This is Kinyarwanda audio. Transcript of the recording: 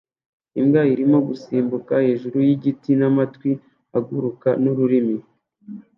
Imbwa irimo gusimbuka hejuru yigiti n'amatwi aguruka n'ururimi